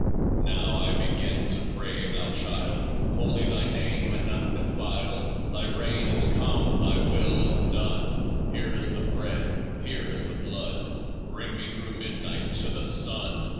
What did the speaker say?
Now I begin to pray : Thou Child, Holy Thy name and undefiled ! Thy reign is come : Thy will is done. Here is the Bread ; here is the Blood. Bring me through midnight to the Sun